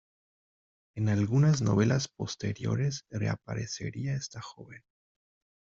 En algunas novelas posteriores reaparecería esta joven.